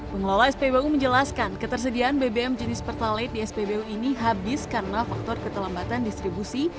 pengelola spbu menjelaskan ketersediaan bbm jenis pertalite di spbu ini habis karena faktor keterlambatan distribusi